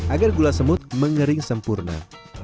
agar gula semut mengering sempurna